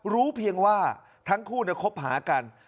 รู้เพียงว่าทั้งคู่คบหากัน